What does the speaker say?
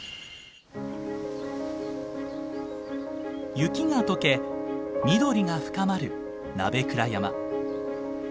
雪が解け緑が深まる鍋倉山。